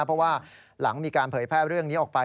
เพราะว่าหลังมีการเผยแพร่เรื่องนี้ออกไป